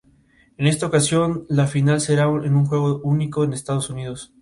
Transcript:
Algunos creen que se trata del dinosaurio más grande de todos.